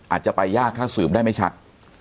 อาจจะไปยากถ้าสืบได้ไม่ชัด